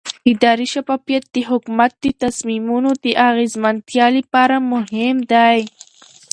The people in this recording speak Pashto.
اداري شفافیت د حکومت د تصمیمونو د اغیزمنتیا لپاره مهم دی